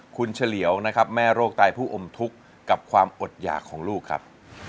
คุณเฉลียวนะครับแม่โรคตายผู้อมทุกข์กับความอดหยากของลูกครับ